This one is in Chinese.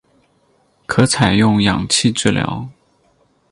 可采用氧气治疗。